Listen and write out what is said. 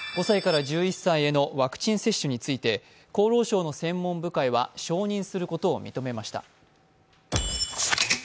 ５歳から１１歳へのワクチン接種について厚労省の専門部会は承認することを認めました。